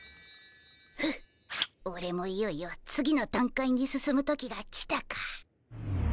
フッオレもいよいよ次の段階に進む時が来たか。